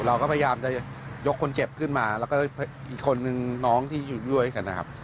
เราก็พยายามจะยกคนเจ็บขึ้นมาแล้วก็อีกคนนึงน้องที่อยู่ด้วยกันนะครับ